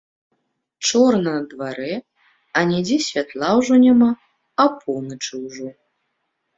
Чорна на дварэ, анідзе святла ўжо няма, апоўначы ўжо.